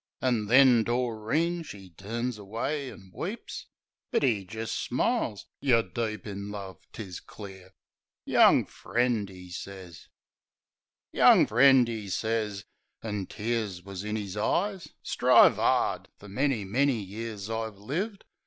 An' then Doreen, she turns away an' weeps; But 'e jist smiles. "Yer deep in love, 'tis clear, Young friend," 'e sez. PILOT COVE 73 "Young friend," 'e sez — an' tears wus in 'i& eyes — "Strive 'ard. Fer many, many years I've lived.